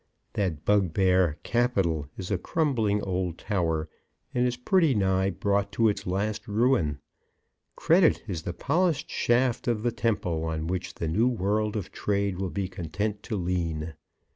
That bugbear Capital is a crumbling old tower, and is pretty nigh brought to its last ruin. Credit is the polished shaft of the temple on which the new world of trade will be content to lean.